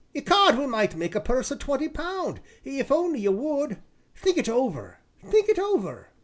Ecod! we might make a purse o' twenty pound if you only would! Think it over think it over."